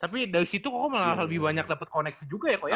tapi dari situ kok kok malah lebih banyak dapet koneksi juga ya kok ya